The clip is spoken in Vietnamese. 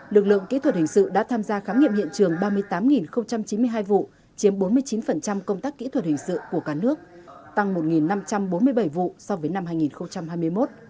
lực lượng kỹ thuật hình sự đã tham gia khám nghiệm hiện trường ba mươi tám chín mươi hai vụ chiếm bốn mươi chín công tác kỹ thuật hình sự của cả nước tăng một năm trăm bốn mươi bảy vụ so với năm hai nghìn hai mươi một